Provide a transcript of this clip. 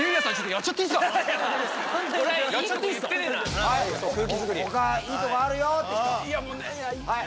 もっといいとこあるよ！って人。